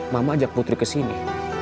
mama ajak putri kesini